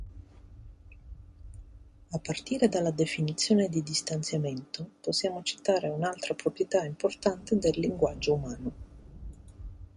A partire dalla definizione di distanziamento possiamo citare un’altra proprietà importante del linguaggio umano.